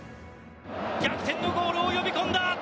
逆転のゴールを呼び込んだ。